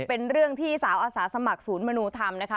เป็นเรื่องที่สาวอาสาสมัครศูนย์มนุธรรมนะคะ